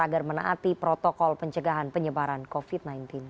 agar menaati protokol pencegahan penyebaran covid sembilan belas